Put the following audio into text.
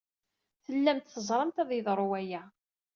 Tellamt teẓramt ad yeḍru waya.